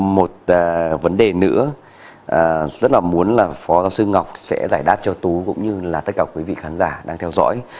một vấn đề nữa rất là muốn là phó giáo sư ngọc sẽ giải đáp cho tú cũng như là tất cả quý vị khán giả đang theo dõi